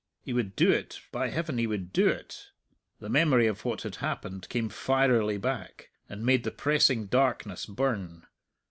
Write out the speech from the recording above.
He would do it, by Heaven, he would do it! The memory of what had happened came fierily back, and made the pressing darkness burn.